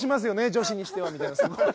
女子にしては」みたいな。